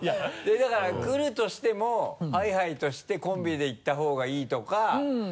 だから来るとしてもＨｉ−Ｈｉとしてコンビで行った方がいいとか。